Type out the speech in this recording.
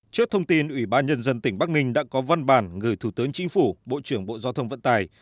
trước thông tin ủy ban nhân dân tỉnh bắc ninh đã có văn bản gửi thủ tướng chính phủ bộ trưởng bộ giao thông vận tài